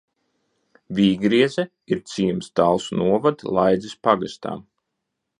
Vīgrieze ir ciems Talsu novada Laidzes pagastā.